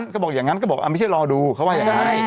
ก็บอกอย่างนั้นก็บอกไม่ใช่รอดูเขาว่าอย่างนั้น